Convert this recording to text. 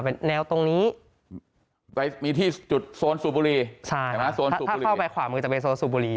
เป็นแนวตรงนี้ไปมีที่จุดโซนสูบบุหรี่ใช่ถ้าเข้าไปขวามือจะเป็นโซนสูบบุหรี่